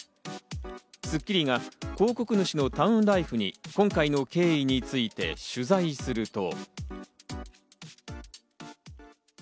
『スッキリ』が広告主のタウンライフに今回の経緯について取材すると。